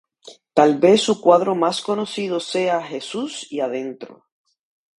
Tal vez su cuadro más conocido sea "¡Jesús y adentro!".